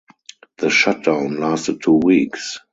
The shutdown lasted two weeks.